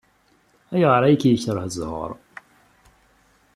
Ayɣer ay k-yekṛeh zzheṛ?